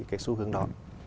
cái xu hướng đó